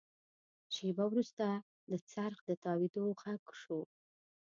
شېبه وروسته د څرخ د تاوېدو غږ شو.